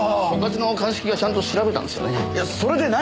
所轄の鑑識がちゃんと調べたんですよね？